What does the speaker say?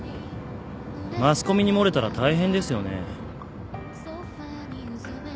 マスコミに漏れたら大変ですよね。